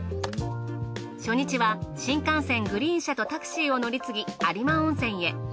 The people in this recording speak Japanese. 初日は新幹線グリーン車とタクシーを乗り継ぎ有馬温泉へ。